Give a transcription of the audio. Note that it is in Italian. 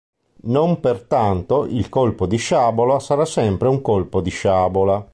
Non per tanto il colpo di sciabola sarà sempre un colpo di sciabola.